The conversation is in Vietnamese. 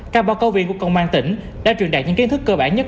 các báo cáo viên của công an tỉnh đã truyền đạt những kiến thức cơ bản nhất